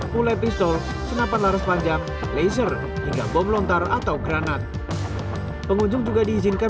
mulai pistol senapan laras panjang laser hingga bom lontar atau granat pengunjung juga diizinkan